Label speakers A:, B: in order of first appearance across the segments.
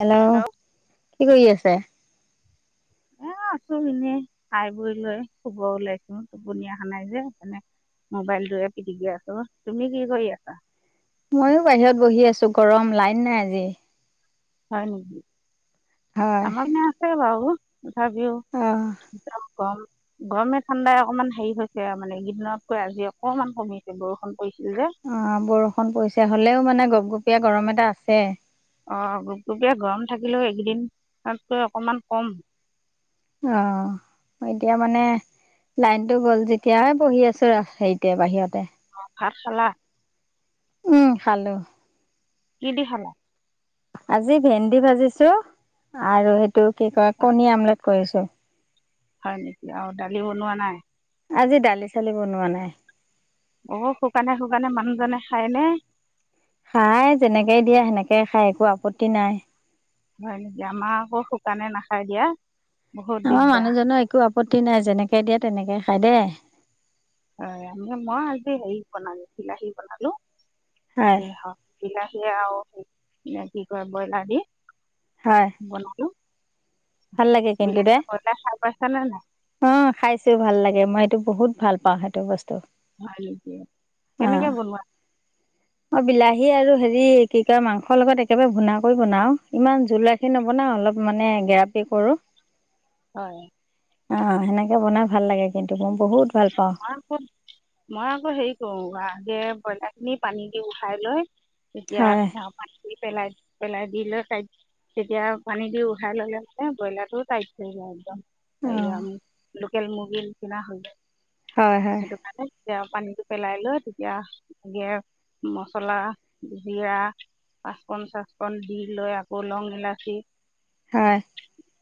A: Hello কি কৰি আছে
B: এ আছো এনেই খাই বৈ লৈ শুব ওলাইছো টোপনি আহা নাই যে সেইকাৰনে মোবাইলটোৱে পিটিকি আছো তুমি কি কৰি আছা। [unintelligible]
A: ময়ো বাহিৰত বহি আছো গৰম লাইন নাই আজি। [unintelligible]
B: হয়
A: হয়।
B: আমাৰ পিনে আছে বাৰু। ভাবিও
A: অ',
B: গৰম গৰমে ঠাণ্ডাই অকণমান হেৰি হৈছে মানে এইকেইদিনতকৈ আজি অকণমান কমিছে বৰষুণ পৰিছিল যে।
A: অ বৰষুণ পৰিছে হলেও মানে গপ গপনি। এয়া গৰম এটা আছে।
B: অ গুপ গুপীয়া গৰম থাকিলেও এইকেইদিনাতকৈ অকমান কম।
A: অ', অ', এতিয়া মানে লাইনটো গ'ল যেতিয়া আৰু বহি আছো আৰু হেৰিতে বাহিৰতে। [unintelligible]
B: ভাত খালা।
A: উম ভালো
B: কি দি খালা।
A: আজি ভেন্দি ভাজিছো আৰু সে। টো কি কয় কণী আমলেট কৰিছো।
B: হয় নেকি আৰু দালি বনোৱা নাই।
A: আজি দালি চালি বনোৱা নাই
B: অ শুকানে শুকানে মানুহজনে খায়নে [unintelligible]
A: খাই যেনেকে দিয়া সেনেকে খাই একো আপত্তি নাই।
B: হয় নেকি আমাৰ আকৌ শুকানে নাখায় দিয়া বহুত
A: আমাৰ
B: দিগদাৰ।
A: মানুহজনৰ একো আপত্তি নাই যেনেকে দিয়া তেনেকে। খাই দে
B: অ ম মই আজি হেৰি বনালো বিলাহী বনালো
A: হয়,
B: দে হক বিলা আৰু কি কয় ব্ৰইলাৰ দি
A: হয়।
B: বনাটো
A: ভাল লাগে কিন্তু দে।
B: খাই পাইছানে নাই
A: অ খাইছোও ভাল লাগে মই এইটো বহুত ভাল পাও সেইটো বস্তু
B: হয় নেকি?
A: অ
B: কেনেকে বনোৱা
A: অই বিলাহী আৰু হে এই কি কয় মাংসৰ লগত একেবাৰে ভুনা কৰি বনাও ইমান জোলাখি নবনাও অলপ মানে গেৰাপ সেই কৰোঁ
B: হয়
A: অ হেনেকে বনাই ভাল লাগে কিন্তু পম
B: মই আকৌ মই আকৌ হেৰি কৰো বা কে ব্ৰইলাৰ খিনি পানী দি উঠাই লৈ তেতিয়া
A: হয়
B: দি পেলাই পেলাই দি লৈ তেতিয়া পানী দি উথাই ললে ব্ৰইলাৰটোও টাইট থ যায় একদম সাইয়
A: অ'
B: আমি লোকেল মুৰ্গী নিচিনা হৈ
A: হয় হয়
B: সেইটো ভাল যেতিয়া পানীটো পেলাই লৈ তেতিয়াে মচলা জিৰা পাঁচকণ চচকণ দি লৈ আকৌ লং ইলাচি
A: হয়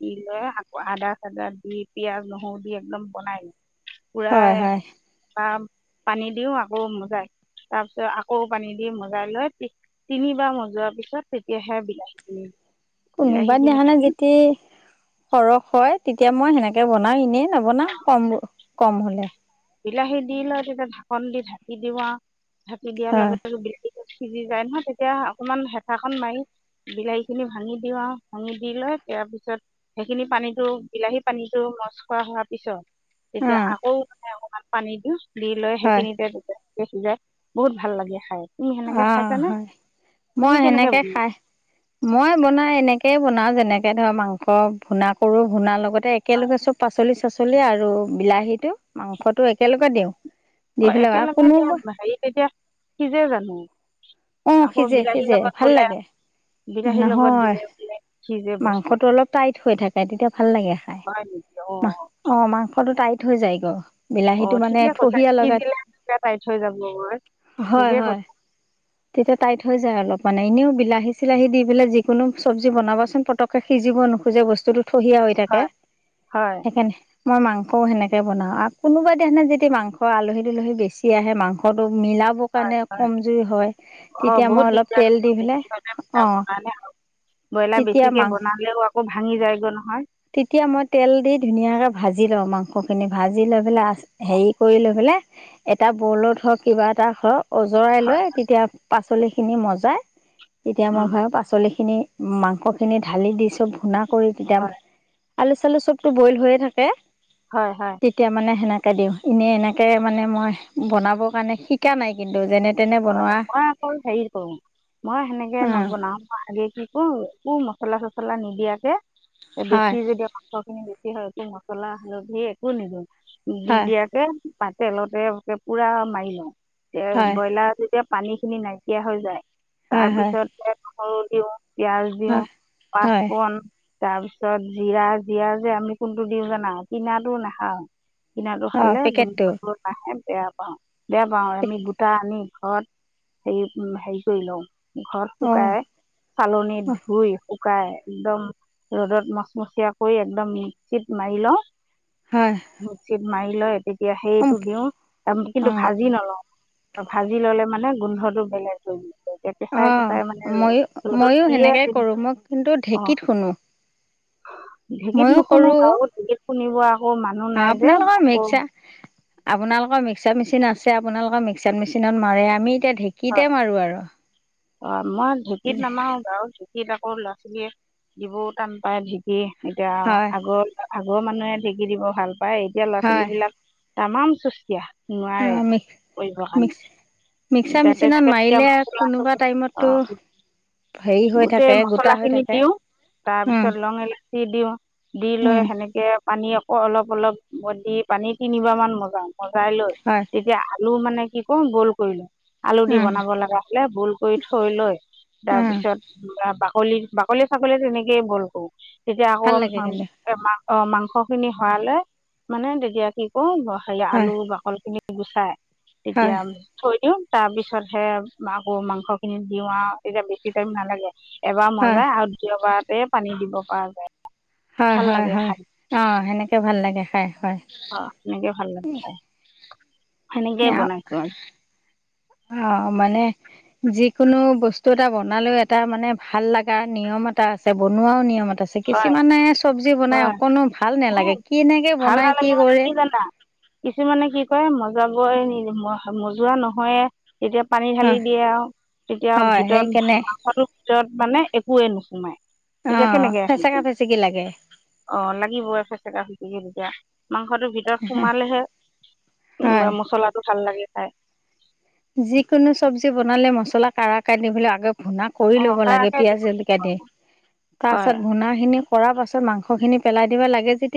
B: দি লৈ আকৌ আদা চাদা দি পিয়াজ নহৰু দি একদম বনাই লৈ
A: হয়
B: পুৰাই
A: হয়
B: পাম পানী দিও আকৌ মজাই তাৰ পিছত আকৌ পানী দি মজাই লৈ তিনিবাৰ মজোৱাৰ পিছত তেতিয়াহে বিলাহী কিনি
A: কোনোবাদিনাখনে যেতি সৰহ হয় তেতিয়া মই সেনেকে বনাও এনেই নবনাও কম কম হলে
B: বিলাহী দি লৈ তেতিয়া ঢাকন দি ঢাকি দিওঁ ঢাকি দিয়াৰ
A: হয়
B: লগতে বিল ট সিজি যায় নহয় তেতিয়া অকমান হেফাখন মাৰি বিলাহী খিনি ভাঙি দিওঁ আৰু ভাঙি দি লৈ তাৰ পিছত সেইখিনি পানীতটো বিলাহী পানীটোো মচ খ হোৱাৰ পিছত
A: অ
B: অকমান পানী দিওঁ দি লয়
A: হয়
B: সেইখিনিতে সিজে বহুত ভাল লাগে খাই তুমি সেনেকৈ
A: অ
B: খাইছানে
A: হয়
B: তুমি
A: মই
B: কেনেকৈ
A: সেনেকে
B: বনোৱা
A: খাই মই বনাই এনেকেই বনাও যেন এনেকে ধৰ মাংস ভূণা কৰোঁ ভূণাৰ লগত এ একেলগে চব পাচলি চাচলি পাচলি আৰু বিলাহী টো মাংসটো একেলগে দিওঁ দি
B: অ
A: পেলাই আৰু
B: একেলগে দিয়া
A: কোনোবা
B: হেৰি তেতিয়া সিজে জানো
A: অ
B: আকৌ
A: সিজে
B: বিলাহীৰ
A: সিজে
B: লগত
A: ভাল
B: বোলে
A: লাগে
B: বিলাহীৰ লগত
A: নহয়
B: দিলে বোলে সিজে বস্তুটো
A: মাংসটো অলপ টাইট হৈ থাকে তেতিয়া ভাল লাগে খাই
B: হয় নেকি
A: মা
B: অঁ
A: অ মাংসটো টাইট হৈ যায়গ
B: অ ঠিকে কৈছে কি দিলাছিলে তাই থৈ যাব বৈ
A: হয়
B: ঠিকে
A: হয়
B: কৈছ
A: তেতিয়া টাইট হৈ যায় অলপ মানে এনেও বিলাহী চিলাহী দি পেলাই যিকোনো চব্জি বনাবাচোন পটককে সিজিব নোখোজে বস্তুটো থহিয়া হৈ থাকে
B: হয়, হয়,
A: সেইকাৰণে মই মাংসও হেনেকে বনাও আক' কোনোবাদিনা যদি মাংস আলহী দুলহী বেছি আহে মাংসটো মিলাবৰ
B: হয়,
A: কাৰণে
B: হয়।
A: কমজুৰি হয়।
B: অ
A: তেতিয়া মই
B: বহুত
A: অলপ
B: দিগদাৰ
A: তেল দি পেলাই
B: বেছিভাব
A: অঁ
B: কাৰণে আৰু ব্ৰইলাৰ
A: তেতিয়া
B: বেছিকে
A: মাংস
B: বনালেও আকৌ ভাঙি যায়গৈ নহয়
A: তেতিয়া মই তেল দি ধুনীয়াকে ভাজি লও মাংস খিনি ভাজি লৈ পেলাই হেৰি কৰি লৈ পেলাই এটা বৰ্লত হওক কিবা এটা হওক অজৰাই
B: হয়,
A: লয় তেতিয়া পাচলি খিনি মজাই তেতিয়া মই
B: উম,
A: ভাব পাচলি খিনি মাংস খিনি ঢালি দি চব ঘুনা কৰি প যাম।
B: হয়,
A: আলু চালু চবটো বইল হৈয়ে থাকে
B: হয়, হয়,
A: তেতিয়া মানে সেনেকে তে দিওঁ এনেই এনেকৈ মানে মই বনাবৰ কাৰণে শিকা নাই কিন্তু যেনে তেনে
B: অ
A: বনোৱা
B: মই আকৌ হেৰি কৰো মই হেনেকে
A: অ',
B: নবনাও মই আগে কি কৰো একো মচলা চচলা চলা নিদিয়াকে
A: হয়
B: বেছি যেদিয়া পাচৰ খিনি হয়তো মছলা হালধি একো নিদিওঁ দিন
A: হয়
B: দিয়াকে তেলতেক পুৰা মাৰি লওঁ এ
A: হয়
B: ব্ৰইলাৰ। তেতিয়া পানী খিনি নাইকিয়া হৈ যায়।
A: হয় হয়
B: তাৰপিছতে অ দ পিয়ঁয়াজ দিওঁ
A: হয় হয়
B: পাঁচফণ তাৰ পিছত জিৰা জিৰা যে আমি কোনটো দিওঁ জানা, কিনাটো নাখাওঁ কিনাটো
A: অঁ
B: খালে
A: পেকেটটো
B: গোন্ধ নাহে। বেয়া পাওঁ। বেয়া পাওঁ, আৰু আমি গোটা আনি ঘৰত, হে উ হেৰি কৰি লওঁ। ঘৰত
A: অঁ
B: শুকাই, চালনী ধুই শুকাই, একদম ৰ'দত মচমচিয়া কৰি, একদম মিক্সিত মাৰি লওঁ
A: হয়
B: মিক্সিত মাৰি লৈ এতিয়া সেইটো দিওঁ, তাক কিন্তু
A: অঁ
B: ভাজি নলওঁ। ল'লে মানে গোন্ধটো বেলেগ হৈ যায়। এতিয়া কেঁচাই
A: অঁহ,
B: কেঁচাই মানে
A: মইো,
B: ৰ'দত
A: মইো
B: দিয়ে
A: সেনেকে কৰো, মই কিন্তু
B: অঁ
A: ঢেঁকীত শুনো।
B: ঢেঁকীত নুশুনো, গাঁৱত শুনিব আৰু অৌ মানুহ নাই যে,
A: আপোনালোকৰ
B: মক
A: মিক্সাৰ আপোনালোকৰ মিক্সাৰ মেচিন আছে, আপোনালোকৰ মিক্সাৰ মেচিনত মাৰে, আমি এতিয়া ঢেঁকীতে মাৰো আৰু।
B: অ [unintelligible] মই ঢেঁকীত নামাও বাৰু কিত আকৌ, ল'ৰা ছোৱালীয়ে যিবোৰ টান পায়, ঠিকে এতিয়া
A: হয়
B: আগৰ আগৰ মানুহে ঢেঁক দিব ভাল পায়, এতিয়া ল'ৰা ছোৱালী
A: হয়
B: বিলাক তামাম চুচতিয়া। নোৱাৰে,
A: অঁ মিক্স
B: কৰিবৰ
A: মিক্স
B: কাৰণে।
A: মিক্সাৰ
B: এতিয়া
A: মেচিনত
B: তেনেকৈ তেতিয়া
A: মাৰিলে,
B: মচলা
A: কোনোবা
B: চচলা
A: টাইমতটো,
B: অঁ
A: হেৰি হৈ
B: গোটেই
A: থাকে, গোটা হৈ
B: মছলাখিনি
A: থাকে, উম
B: দি দিওঁ দি লৈ
A: উম
B: সেনেকে পানী অ অ অলপ অলপ ব [unintelligible] দি পানী তিনিবাৰ মান [unintelligible] মগাই লৈ,
A: হয়
B: তেতিয়া ল মানে কি কওঁ, গোল কলো [unintelligible] আলু দি
A: উম
B: বনাব লগা হ'লে, বইল কৰি থৈ লৈ, তাৰপিছ
A: উম
B: [unintelligible] বলিৰ বাকলে ছাগলে তেনেকে বল কৰো। তেতিয়া আকৌ,
A: ভাল লাগে কিন্তু
B: বেমাৰ অ মাংস খিনি হৰালে মানে তেতিয়া কি কৰো খালি
A: হয়
B: আলু বাকল খিনি গুচাই তেতিয়া
A: হয়
B: থৈ দিও তাৰ পিছতহে আকৌ মাংস খিনি দিৱা তেতিয়া বেছি টাইম নালাগে এবাৰ
A: হয়
B: মজাই আৰু দ্বিতীয় বাৰত পানী দিব পৰা যায়
A: হয়
B: ভাল
A: হয়
B: লাগে
A: হয়
B: খাই
A: অ সেনেকে ভাল লাগে খাই হয়
B: সেনেকে ভাল লাগে খাই সেনেকেই বনাইছোঁ
A: অ মানে যিকোনো বস্তু এটা বনালেও এটা মানে ভাল লগা নিয়ম এটা আছে বনোৱাও নিয়ম এটা আছে
B: হয়
A: কিছুমানে চব্জি বনাই
B: হয়
A: অকনো ভাল
B: উম,
A: নালাগে কেনেকে
B: ভাল
A: বনাই কি
B: নালাগে মানে
A: কৰে
B: জানা [unintelligible] মজাবই মজোৱা নহয় তেতিয়া পানী ঢালি
A: হয়
B: দিয়ে আৰু তেতিয়া
A: হয়
B: ভিতৰত
A: সেইকাৰণে
B: মাংসটোৰ ভিতৰত মানে একোৱে নোসোমাই
A: অ' ফেচকা ফেচেকি লাগে।
B: স য মাংসটো ভিতৰত সোমালেহে
A: হয়
B: উ মছলাটো ভাল লাগে। হয়
A: যিকোনো চব্জি বনালে মছলা কাৰা কাটিব [unintelligible] আগ ভূনাা কৰি
B: অঁ
A: ল'ব লাগে
B: কাৰাকে
A: পিয়ঁাজ
B: দিব
A: জলকীয়া দি তাৰ
B: হয়
A: পাছত ভূণা খিনি কৰাৰ পাছত মাংসখিনি পেলাই দিব লাগে যি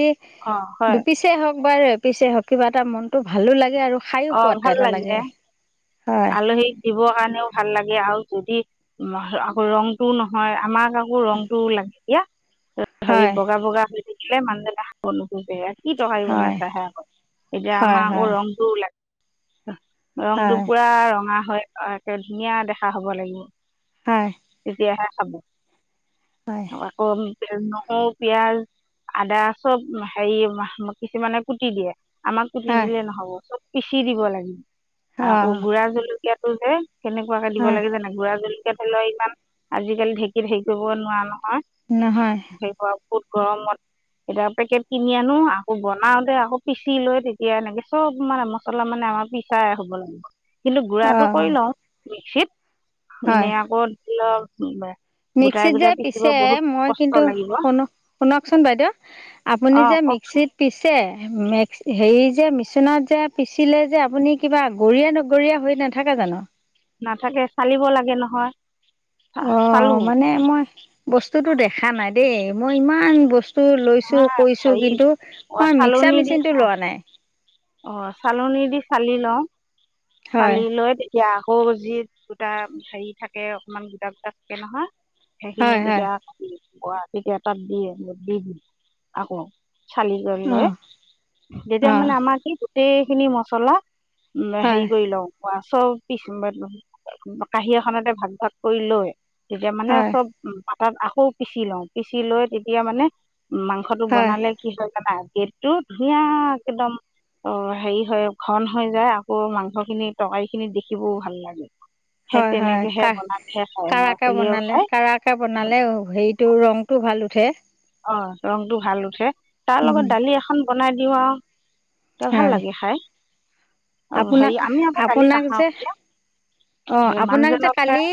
B: অঁ হয়
A: দুপিছে হওঁক একবাৰে পিছে হক কিবা এটা মনটো ভালো লাগে আৰু খায়ো
B: অ
A: সোৱাদ
B: ভাল
A: এটা
B: লাগে
A: হয়,
B: আলহীক দিবৰ কাৰণেও ভাল লাগে আৰু যদি আকৌ ৰংটোও নহয় আমাৰ আকৌ ৰং টো ও লাগে ক [unintelligible] হেৰি
A: হয়,
B: বগা বগা দেখিলে মানন্দে না হ' নো তোহোটে এয়া কি টকাৰী বনাই
A: হয়,
B: চাহে আকত এতিয়া
A: হয়,
B: আমাৰ আকৌ
A: হয়,
B: ৰংটোও লাগে উ ৰং তটো পুৰা ৰঙা হয় একে ধুনীয়া দেখা হব লাগিব
A: হয়, হয়,
B: এতিয়া হব
A: হয়,
B: অ কৌ নহৰু পিয়াজ আদা চব হেৰি কিছুমানে কুতি দিয়ে আমাক পুতি
A: হয়,
B: দিলে নহ'ব পিচি দিব লাগিব আকৌ
A: অ',
B: গুড়া জলকীয়াাত ত কেনেকুৱাকে দিব
A: হয়,
B: লাগে জানে গুৰা জোল সেইফালে ইমান আজিকালি ঢেঁকীত হেৰি কৰিব নোৱাৰো নহয়
A: নহয়,
B: হ সেইব বহুত গৰমত এতিয়া পেকেট কিনি আনো আকৌ বনাওতে আকৌ পিচি লৈ তেতিয়া এনেকে চব মানে লা মানে আমাৰ বিিছাই হ'ব লাগে কিন্তু গুড়টো কৰি
A: অ',
B: লওঁ শক্ষিত
A: হয়।
B: ননে আকল লগ কৰি ল
A: মিক্সিত যে পিছে মই কিন্তু
B: লাগিব
A: শুন শুনকচোন বাইদেউ আপুনি
B: অঁ
A: যে
B: কওক
A: মিক্সিত পিছে ম্স হেৰি যে মিচনত যে পিচিলে যে আপুনি কিবা গৰীয়া নগৰীয়া হৈ নাথাকে জানো
B: নাথাকে চালিব লাগে নহয়
A: অ
B: চালোঁ
A: মানে মই বস্তুতো দেখা নাই দেই মই ইমান বস্তু লৈছো কৰিছো
B: হেৰি
A: কিন্তু
B: অ
A: মই মিক্সাৰ মেচিনতটো লোৱা নাই
B: অ চালনী দি চালি লওঁ
A: হয়
B: চালি লৈ পাহো যি দুোটা হেৰি থাকে অকমান গোটা গোটা থাকে নহয় সেইখিন
A: হয়
B: যদি
A: হয়
B: গুৱাহাটীত এটাত দি দি দি আকৌ চালিজন লৈ
A: অ'
B: তেতিয়া
A: অ'
B: মানে আমাকেই গোটেই খিনি মচলা উম হেইৰি
A: হয়
B: কৰিলও চব পিছ কাঁহী এখনতে ভাগ ভাগ কৰি লৈ তেতিয়া মানে
A: হয়
B: চব উ তাত আকৌ পিচি লওঁ পিচি লৈ তেতিয়া মানে মাংস টো
A: হয়
B: বনালে কি হয় দাদা গেটতটো ধুনীয়া একদম অ হেৰি হয় ঘন হৈ যায় আকৌ মাংস খিনি তৰকাৰি খিনি দেখিবও ভাল লাগে সেই
A: হয় হয়
B: তেনেকেহে
A: ক
B: বনাইহে খায় ল'ৰা
A: কাকে
B: ছোৱালীয়েও
A: বনালে
B: খায়
A: কাকে বনালে হেৰিটো ৰংতটো ভাল ঠে
B: অ ৰং টো ভাল উঠে তাৰ
A: উম
B: লগত দালি এখন বনাই দিওঁ আৰু তই ভাল
A: হয়
B: লাগে খাই আৰু হেৰি
A: আপোনাক
B: আমি আকৌ দালি
A: আপোনাক
B: নাখাওঁ
A: যে অ
B: সেই
A: আপোনাক যে
B: মানুহজনকহে
A: কালি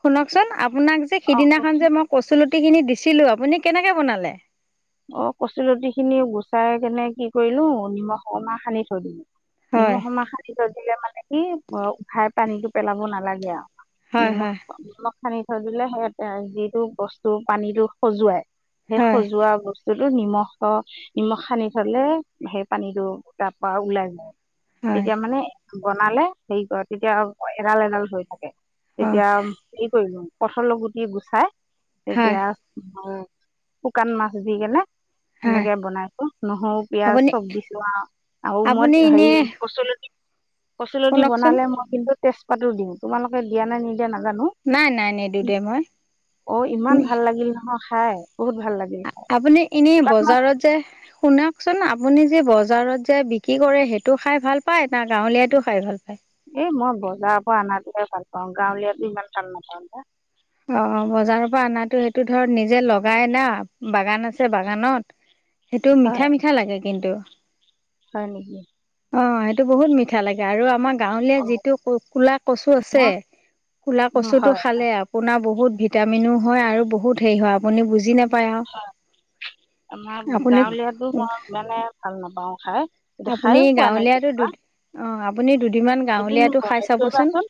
A: শুনকচোন আপোনাক যে
B: অঁ
A: সিদিনাখন যে মই কৈছিলো গুটি খিনি দিছিলো আপুনি কেনেকে বনালে
B: অ কচু তিি খিনি গুচাই কেনে কি কৰিলো নিমখ অকমাহ সানি থৈ দিলো। নিম
A: হয়
B: সম খাৰ য দিলে মানে ই অ উখাই পানীটো পেলাব নালাগে আৰু
A: হয় হয়
B: নিম সানি থৈ দিলে স যিটো বস্তু পানীতটো সজুৱাই সেই
A: হয়
B: সজোৱা ব্ত [unintelligible] নিমখ নিমখ সানি থলে সেই পানীতটো তাৰ পৰাৰা ওলাই যায়
A: হয়
B: এতিয়া মানে বনালে হেৰি কৰে তেতিয়া এডাল এডাল হৈ থাকে
A: অ
B: তেতিয়া কি কৰিলো। পথল গুটি গুচাই
A: হয়
B: এতিয়া হ শোকান মা [unintelligible]
A: হয়
B: সেনেকে বনাইছো নহৰু পিয়াজ
A: আপুনি
B: চব দিছো আৰু আৰু
A: আপুনি
B: মই
A: এনে
B: হেৰি কচল কচতি
A: শুনকচোন
B: বনালে মই কিন্তু তেজপুৰ তাতো দিম তোমালোকেয়াে নিদ নাজানো
A: নাই নাই নিদো দে মই
B: অ ইমান ভাল লাগিল নহয় খাই বহুত ভাল লাগে
A: আ-আপুনি এনে বজাৰত যে শুনক চোন, আপুনি যে বজাৰত যে বিক্ৰী কৰে। সেইটো খাই ভাল পায়, না গাঁৱলীয়াটো খাই ভাল পায়।
B: এ মই বজাৰ পৰা অনাটো ভাল পাওঁ গাঁৱলীয়াতো ইমান ভাল নাপাওঁ পা
A: অ বজাৰৰ পৰা অনাতটো সেইটো ধৰ নিজে লগাই না বাগান আছে বাগানত সেইটো
B: হয়
A: মিঠা মিঠা লাগে কিন্তু
B: হয় নেকি।
A: অ', সেইটো বহুত মিঠা লাগে আৰু আমাক গাঁৱলীয়া
B: অ
A: যিটো কুলা কচু আছে
B: মই
A: কুলা
B: উম,
A: কচু টো
B: হয়
A: খালে আৰু বহুত ভিটামিন‌ও হয় আৰু বহুত হেৰি হয়। আপুনি বুজি না
B: হয় আমাৰ
A: আপুনি
B: গাঁৱলীয়াতো মই মানে ভাল নাপাওঁ খাই এতিয়া খাইো কোৱা নাই কেনেকুৱা [inaudible]
A: আপনি দুদ
B: এদিন বহাইক কৰিবাচোন।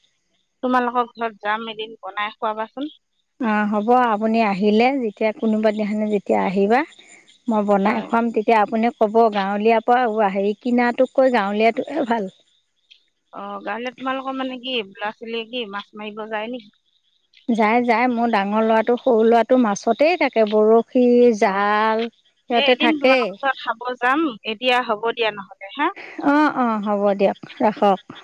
B: তোমালোকৰ ঘৰত যাম এদিন বনাই খুৱাবা। চোন
A: অ হ'ব আপুনি আহিলে যেতিয়া কোনোবা দিখানে যেতিয়া আহিবা মই বনাই
B: হয়
A: খুৱাম তেতিয়া আপুনি ক'ব গাঁৱলীয়াৰ পৰা হেৰি কিনাটোক কৈ গাঁৱলীয়াটো ভাল
B: অ গালে তোমালোকৰ মানে কি বোলা চলীয়ে কি, মাছ মাৰিব যায় নেকি।
A: যাই যাই মোৰ ডাঙৰ ল'ৰাটো সৰু ল'ৰাটো মাছতেই থাকে বৰষ সি
B: অ
A: জাল
B: এই
A: সিহঁতে
B: এদিন
A: থাকেই
B: তোমালোকৰ ঘৰত খাব যাম এতিয়া হ'ব দিয়া নহ'লে হা
A: অ অ হ'ব দে দিয়ক ৰাখক [inaudible]